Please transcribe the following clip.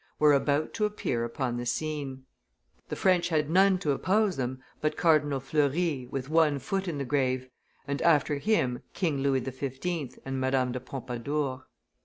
were about to appear upon the scene; the French had none to oppose them but Cardinal Fleury with one foot in the grave, and, after him, King Louis XV. and Madame de Pompadour.